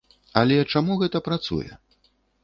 Але чаму гэта працуе?